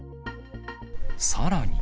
さらに。